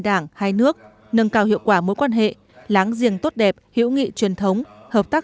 đảng hai nước nâng cao hiệu quả mối quan hệ láng giềng tốt đẹp hữu nghị truyền thống hợp tác